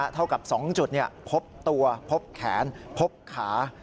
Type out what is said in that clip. เท่ากับ๒จุดพบตัวพบแขนพบขา